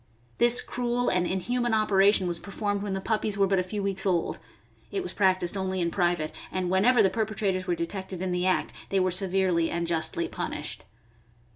This cruel and inhuman operation was performed when the puppies were but a few weeks old. It was practiced only in private, and whenever the perpe trators were detected in the act they were severely and justly punished.